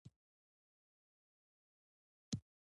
په ټول کلي کې یوازې علي د روغبړ سړی دی.